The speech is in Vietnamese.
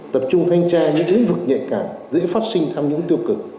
tập trung thanh tra những ứng vực nhạy càng dễ phát sinh tham nhũng tiêu cực